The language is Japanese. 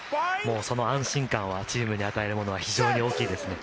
その安心感、チームに与えるものは非常に大きいです。